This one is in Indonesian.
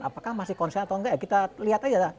apakah masih konsen atau enggak ya kita lihat aja